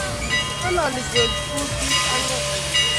Ngalali George kutit angwan